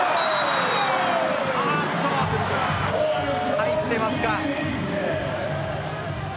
入っていますか。